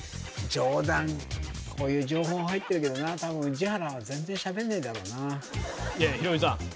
上段こういう情報入ってるけどな多分宇治原は全然しゃべんねえだろうないやいやヒロミさん